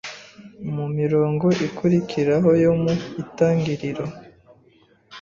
Mu mirongo ikurikiraho yo mu Itangiriro,